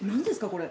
これ。